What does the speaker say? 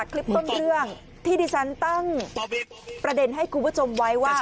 คลิปต้นเรื่องที่ดิฉันตั้งประเด็นให้คุณผู้ชมไว้ว่า